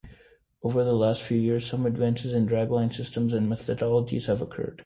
Over the last few years, some advances in dragline systems and methodologies have occurred.